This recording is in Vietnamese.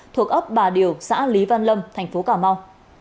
thuộc ấp bà điều xã lý văn lâm tp cà mau